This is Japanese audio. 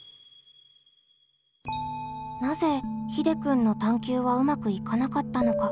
なぜひでくんの探究はうまくいかなかったのか？